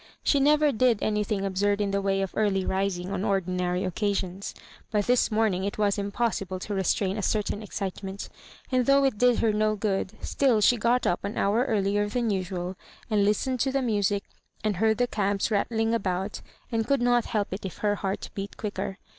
She never did anything ab surd in the way of early rising on ordinary occasions : but this morning it was impossible to restrain a certain excitement, and though it did her no good, still she got up an hour earlier than usual, and listened to the music, and heard the cabs rattling about, and could not help it if her heart beat quicker.